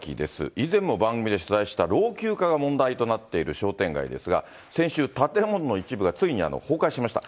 以前も番組で取材した老朽化が問題となっている商店街ですが、先週、建物の一部がついに崩壊しました。